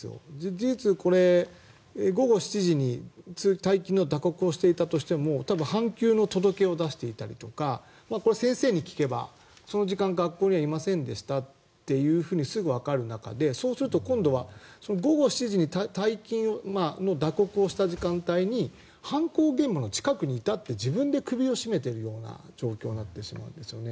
事実これ、午後７時に退勤の打刻をしていたとしても多分半休の届けを出していたりとか先生に聞けばその時間、学校にはいませんでしたっていうふうにすぐわかる中でそうすると、今度は午後７時に退勤の打刻をした段階に犯行現場の近くにいたって自分で首を絞めているような状況になってしまうんですね。